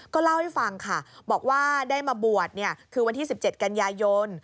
ก็เล่าให้ฟังค่ะบอกว่าได้มาบวชคือวันที่๑๗กันยายน